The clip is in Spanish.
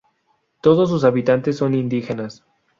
Todos sus habitantes son indígenas.